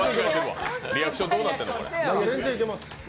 リアクションどうなってんの？